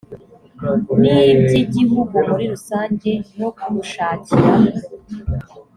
n iby igihugu muri rusange no gushakira